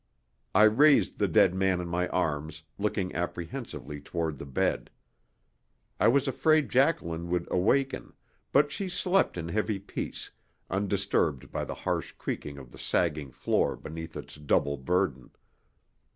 I raised the dead man in my arms, looking apprehensively toward the bed. I was afraid Jacqueline would awaken, but she slept in heavy peace, undisturbed by the harsh creaking of the sagging floor beneath its double burden.